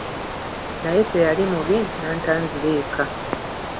Naye teyali mubi n'anta nzire eka.